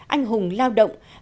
anh hùng lao động